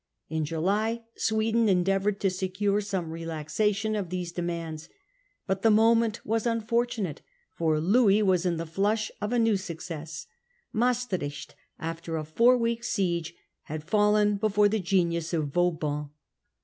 In July, Sweden endeavoured to secure some relaxation of these demands. The moment was unfortunate, for Louis was M^estricht in the flush of a new success. Maestricht, by Vauban. a f our weeks' siege, had fallen before the genius of Vauban.